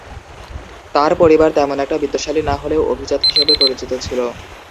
তার পরিবার তেমন একটা বিত্তশালী না হলেও অভিজাত হিসেবে পরিচিত ছিল।